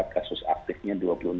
kasus aktifnya dua puluh enam